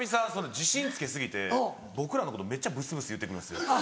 自信つけ過ぎて僕らのことめっちゃ「ブスブス」言うて来るんですよ。